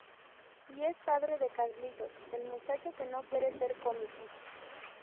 Y es padre de Carlitos, el muchacho que no quiere ser cómico.